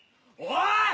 おい！